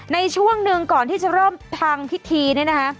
ในช่วงหนึ่งก่อนที่จะเริ่มทำพิธีเนี่ยนะคะ